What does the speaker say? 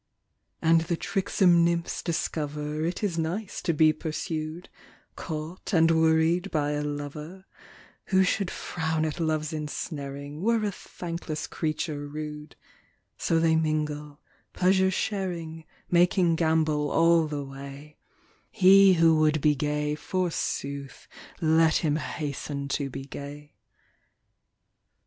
72 And the tricksome nymphs discover It is nice to be pursued, Caught and worried by a lover ; Who should frown at Love's ensnaring Were a thankless creature rude ; So they mingle, pleasure sharing, Making gambol all the way : He who would be gay, forsooth. Let him hasten to be gay.